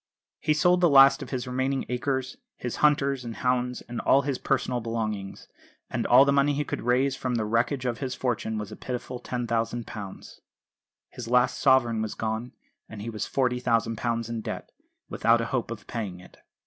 He sold the last of his remaining acres, his hunters and hounds, and all his personal belongings; and all the money he could raise from the wreckage of his fortune was a pitiful £10,000. His last sovereign was gone, and he was £40,000 in debt, without a hope of paying it.